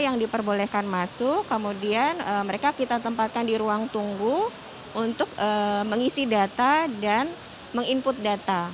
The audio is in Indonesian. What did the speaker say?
yang diperbolehkan masuk kemudian mereka kita tempatkan di ruang tunggu untuk mengisi data dan meng input data